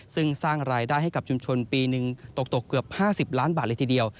ซึ่งสร้างรายได้ให้กับชุมชนปีหนึ่งตกเกือบ๕๐ล้านบาทเลยทีเดียว